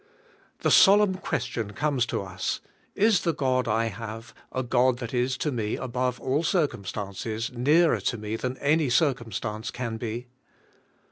THE solemn question comes to us, "Is the God I have, a God that is to me above all circum stances, nearer to me than an}' circumstance can be?"